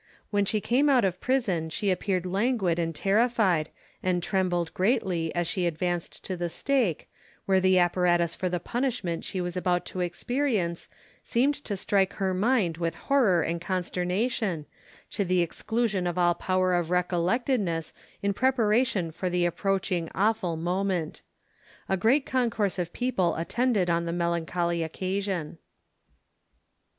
When she came out of prison she appeared languid and terrified, and trembled greatly as she advanced to the stake, where the apparatus for the punishment she was about to experience seemed to strike her mind with horror and consternation, to the exclusion of all power of recollectedness in preparation for the approaching awful moment. A great concourse of people attended on the melancholy occasion.